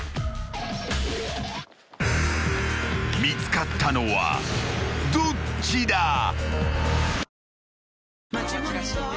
［見つかったのはどっちだ？］